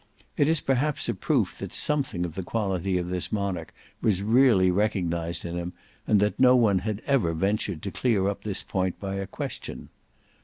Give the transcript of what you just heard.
It is perhaps a proof that something of the quality of this monarch was really recognised in him that no one had ever ventured to clear up this point by a question.